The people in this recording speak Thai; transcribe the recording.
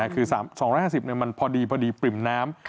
คือ๒๕๐มันพอดีพอดีปริ่มน้ำ